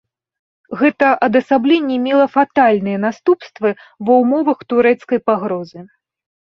Гэта адасабленне мела фатальныя наступствы ва ўмовах турэцкай пагрозы.